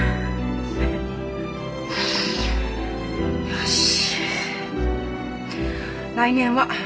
よし。